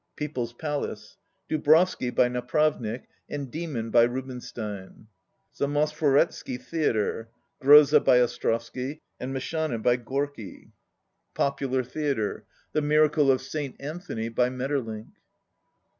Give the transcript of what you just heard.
People's Palace. — "Dubrovsky" by Napravnik and "Demon" by Rubinstein. Zamoskvoretzky Theatre. — "Groza" by Ostrovsky and "Meshtchane" by Gorky. 89 Popular Theatre. — "The Miracle of Saint An thony" by Maeterlinck.